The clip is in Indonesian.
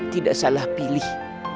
tidak salah pilih